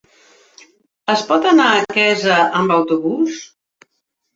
Es pot anar a Quesa amb autobús?